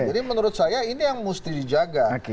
jadi menurut saya ini yang mesti dijaga